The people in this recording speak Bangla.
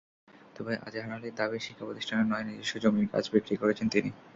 তবে আজাহার আলীর দাবি, শিক্ষাপ্রতিষ্ঠানের নয়, নিজস্ব জমির গাছ বিক্রি করেছেন তিনি।